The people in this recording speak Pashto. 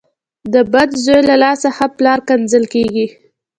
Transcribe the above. د بد زوی له لاسه ښه پلار کنځل کېږي .